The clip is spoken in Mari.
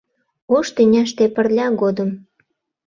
Ош тӱняште пырля годым.